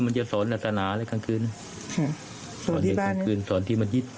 มันจะสอนลักษณะเลยกลางคืนสอนที่บ้านสอนที่มจิตอ๋อค่ะ